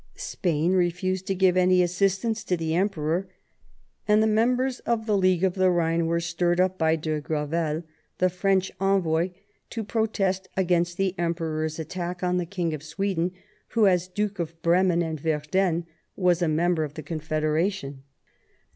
Spain refused to give any assistance to the Emperor, and the members of the League of the Ehine were stirred up by de Gravel, the French envoy, to protest against the Emperor's attack on the Bang of Sweden, who, as Duke of Bremen and Verden, was a member of the Confederation.